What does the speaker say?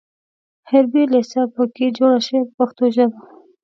حربي لېسه په کې جوړه شوه په پښتو ژبه.